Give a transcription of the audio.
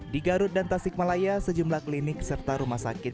di garut dan tasikmalaya sejumlah klinik serta rumah sakit